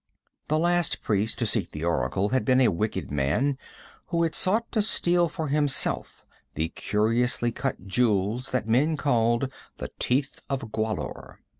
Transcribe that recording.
The last priest to seek the oracle had been a wicked man, who had sought to steal for himself the curiously cut jewels that men called the Teeth of Gwahlur.